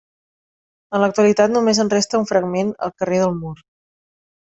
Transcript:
En l'actualitat només en resta un fragment al carrer del Mur.